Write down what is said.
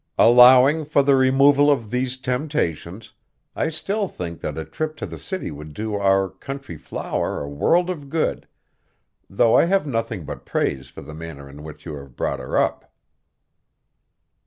Allowing for the removal of these temptations, I still think that a trip to the city would do our country flower a world of good, though I have nothing but praise for the manner in which you have brought her up."